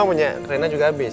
oh punya krena juga habis